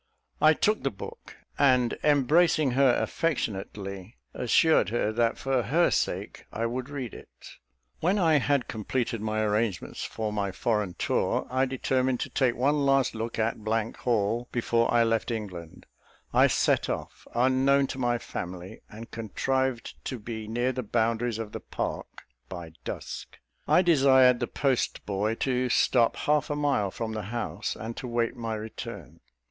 I took the book, and embracing her affectionately, assured her, that for her sake I would read it. When I had completed my arrangements for my foreign tour, I determined to take one last look at Hall before I left England. I set off unknown to my family; and contrived to be near the boundaries of the park by dusk. I desired the postboy to stop half a mile from the house, and to wait my return.